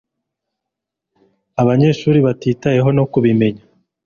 Abanyeshuri batitayeho no kubimenya